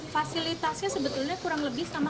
fasilitasnya sebetulnya kurang lebih sama